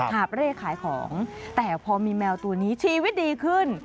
หาบเร่ขายของแต่พอมีแมวตัวนี้ชีวิตดีขึ้น